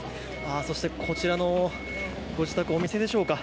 そして、こちらのご自宅お店でしょうか。